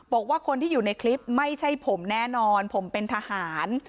บอกว่าคนที่อยู่ในคลิปไม่ใช่ผมแน่นอนผมเป็นทหาร